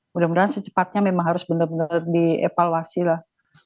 mudah mudahan secepatnya memang harus benar benar dievaluasi lah